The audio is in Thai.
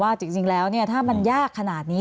ว่าจริงแล้วเนี่ยถ้ามันยากขนาดนี้